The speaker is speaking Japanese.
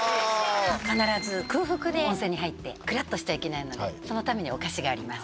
必ず空腹で温泉に入ってくらっとしちゃいけないのでそのためにお菓子があります。